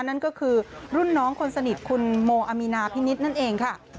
นั่นก็คือรุ่นน้องคนสนิทคุณโมอามีนาพินิษฐ์นั่นเองค่ะ